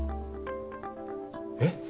えっ？